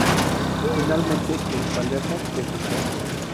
Finalmente, el Palermo le fichó.